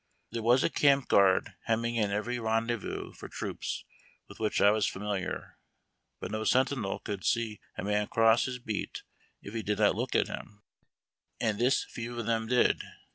There was a camp guard hemming in every rendezvous for troops, with which I was familiar; but no sentinel could see a man cross his beat if he did not look at him, and this few of them did.